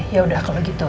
yaudah kalau gitu